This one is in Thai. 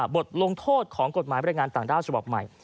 บทลงโทษของกฎหมายบรรยายงานต่างด้าวฉบับใหม่